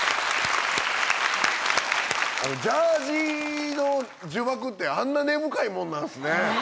ジャージの呪縛ってあんな根深いもんなんすね